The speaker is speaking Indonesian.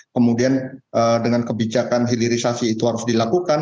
kemudian dengan kebijakan hilirisasi itu harus dilakukan